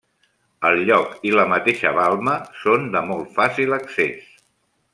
El lloc, i la mateixa balma, són de molt fàcil accés.